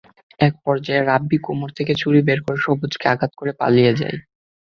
একপর্যায়ে রাব্বী কোমর থেকে ছুরি বের করে সবুজকে আঘাত করে পালিয়ে যান।